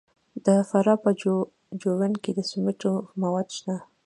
د فراه په جوین کې د سمنټو مواد شته.